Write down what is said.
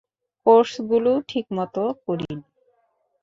কোর্সগুলোও ঠিকমতো করিনি।